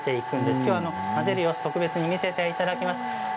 きょうは混ぜる様子を特別に見せていきます。